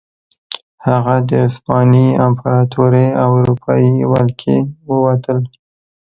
هغه د عثماني امپراتورۍ او اروپايي ولکې ووتل.